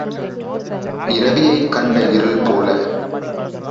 இரவியைக் கண்ட இருள் போல.